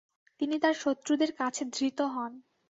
তিনি তার শত্রুদের কাছে ধৃত হন।